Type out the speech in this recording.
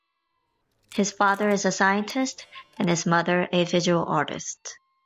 His father is a scientist and his mother a visual artist.